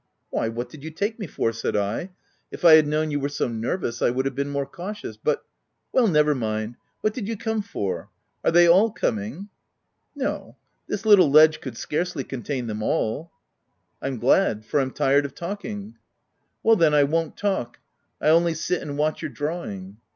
" Why, what did you take me for ?" said I, " if I had known you were so nervous, I would have been more cautious ; but " ''Well, never mind. What did you come for ? are they all coming V 9 " No ; this little ledge could scarcely contain them all." 11 I'm glad, for I'm tired of talking." "Well then, I won't talk. I'll only sit and watch your drawing."